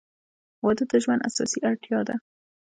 • واده د ژوند اساسي اړتیا ده.